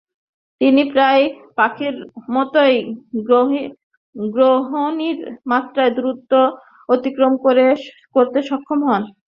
তিনি প্রায় পাখির মতই গ্রহণীয় মাত্রার দূরত্ব অতিক্রম করতে সক্ষম হন।